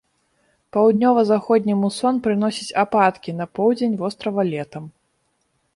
Паўднёва-заходні мусон прыносіць ападкі на поўдзень вострава летам.